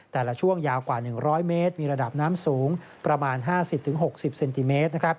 ในช่วงยาวกว่า๑๐๐เมตรมีระดับน้ำสูงประมาณ๕๐๖๐เซนติเมตร